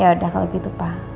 ya udah kalau gitu pak